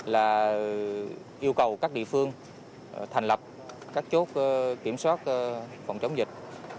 là yêu cầu các địa phương thành lập các chốt kiểm soát phòng chống dịch